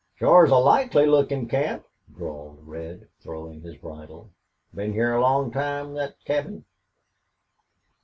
"Shore is a likely lookin' camp," drawled Red, throwing his bridle. "Been heah a long time, thet cabin."